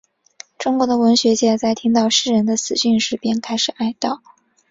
中国的文学界在听到诗人的死讯时便开始哀悼。